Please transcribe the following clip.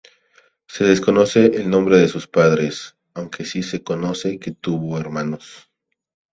Se desconoce el nombre de sus padres, aunque si se conoce que tuvo hermanos.